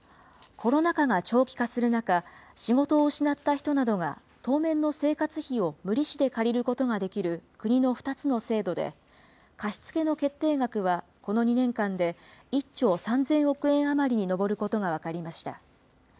コロナ禍が長期化する中、仕事を失った人などが当面の生活費を無利子で借りることができる国の２つの制度で、貸付の決定額はこの２年間で１兆３０００億円余りに上ることが分かりました。